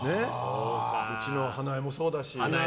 うちの花江もそうだし。